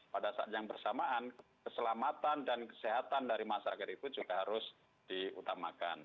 pada saat yang bersamaan keselamatan dan kesehatan dari masyarakat itu juga harus diutamakan